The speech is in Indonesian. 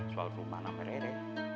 soal rumana sama rere